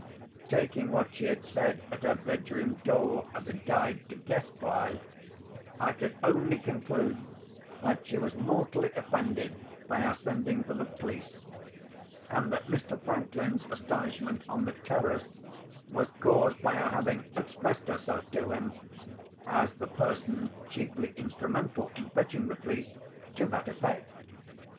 Taking what she had said at her bedroom door as a guide to guess by, I could only conclude that she was mortally offended by our sending for the police, and that Mr. Franklin's astonishment on the terrace was caused by her having expressed herself to him (as the person chiefly instrumental in fetching the police) to that effect.